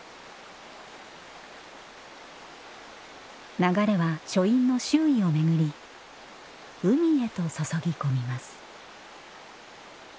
流れは書院の周囲を巡り海へと注ぎ込みます